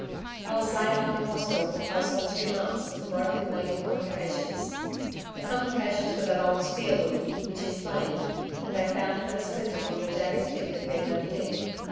I was laid up in hospital for close on two months, with a broken leg and complications. The complications were that old spear wound, which inflamed, and they found that a splinter from the jagged tip had been left in.